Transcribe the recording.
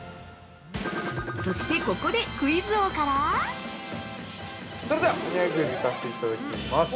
そして、ここでクイズ王から◆それではお土産クイズさせていただきます。